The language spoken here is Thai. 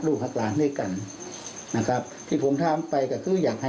แล้วผมก็พลาดจริงละตีนิดหน่อย